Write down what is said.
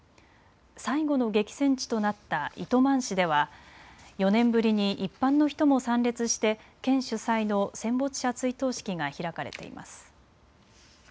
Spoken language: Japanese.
最後の激戦地となった糸満市では４年ぶりに一般の人も参列して県主催の戦没者追悼式が開かれています。